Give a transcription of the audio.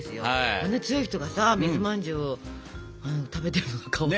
あの強い人がさ水まんじゅうを食べてるのがかわいくて。